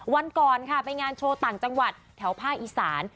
วันก่อนค่ะไปงานโชว์ต่างจังหวัดแถวภาคอีสาน